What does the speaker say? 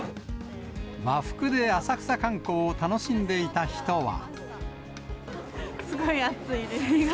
和服で浅草観光を楽しんでいすごい暑いです。